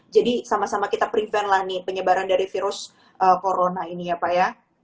jadi sama sama kita prevent lah nih penyebaran dari virus corona ini ya pak ya